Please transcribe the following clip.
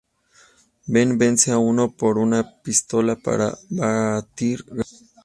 Ben vence a uno por una pistola para batir grave.